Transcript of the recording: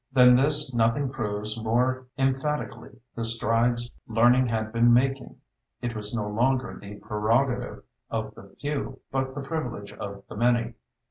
Than this nothing proves more emphatically the strides learning had been making. It was no longer the prerogative of the few, but the privilege of the many.